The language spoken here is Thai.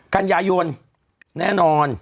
กันยายนแน่นอน